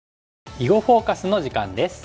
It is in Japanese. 「囲碁フォーカス」の時間です。